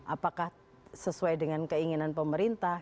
apakah sesuai dengan keinginan pemerintah